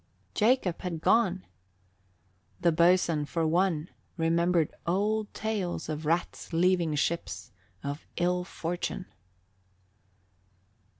Jacob had gone! The boatswain, for one, remembered old tales of rats leaving ships of ill fortune.